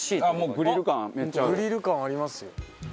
グリル感ありますよ。